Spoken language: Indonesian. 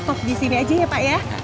stop disini aja ya pak ya